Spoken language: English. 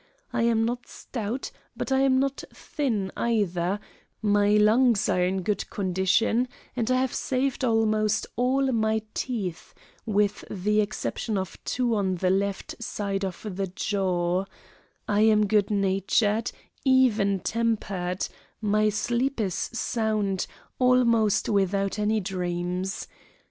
I am not stout, but I am not thin, either; my lungs are in good condition and I have saved almost all my teeth, with the exception of two on the left side of the jaw; I am good natured, even tempered; my sleep is sound, almost without any dreams.